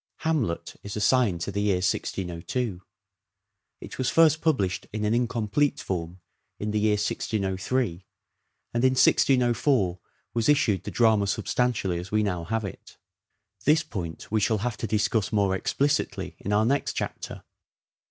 " Hamlet " is assigned to the year 1602. It was first published in an incomplete form in the year 1603, and in 1604 was issued the drama substantially as we now have it. This point we shall have to discuss more explicitly in our next chapter.